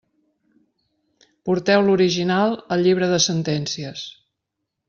Porteu l'original al llibre de sentències.